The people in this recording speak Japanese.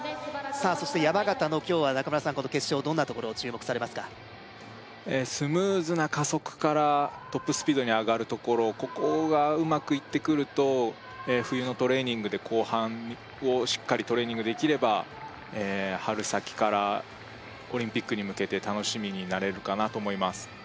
さあそして山縣の今日は中村さんこの決勝どんなところを注目されますかスムーズな加速からトップスピードに上がるところここがうまくいってくると冬のトレーニングで後半をしっかりトレーニングできれば春先からオリンピックに向けて楽しみになれるかなと思います